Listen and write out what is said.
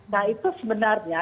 nah itu sebenarnya